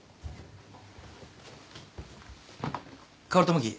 薫友樹